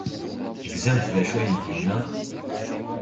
Tegzamt d acu ay d-yenna?